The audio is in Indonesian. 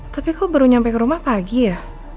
tapi kok baru nyampe ke rumah pagi ya